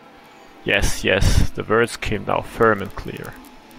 "Yes, yes" - the words came now firm and clear.